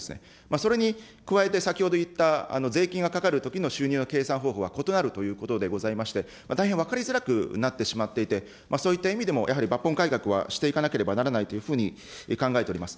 それに加えて、先ほど言った税金がかかるときの収入の計算方法は異なるということでございまして、大変分かりづらくなってしまっていて、そういった意味でも、やはり抜本改革はしていかなければならないというふうに考えております。